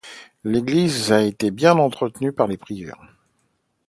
L'église a été bien entretenue par les prieurs.